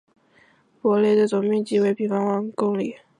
博雷的总面积为平方公里。